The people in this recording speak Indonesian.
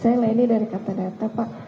saya leni dari katadata pak